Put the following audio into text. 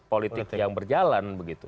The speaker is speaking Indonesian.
politik yang berjalan